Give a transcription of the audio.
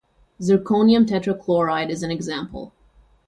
Zirconium tetrachloride is an example.